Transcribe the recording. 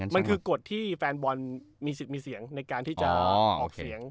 มันคือกฎที่แฟนบอลมีสิทธิ์มีเสียงในการที่จะออกเสียง